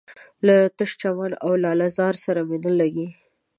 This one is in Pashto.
له تش چمن او لاله زار سره مي نه لګیږي